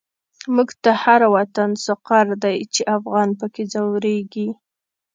موږ ته هر وطن سقر دی، چی افغان په کی ځوريږی